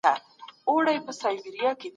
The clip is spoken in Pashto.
د باطل په لاره د مال مصرفول ګناه ده.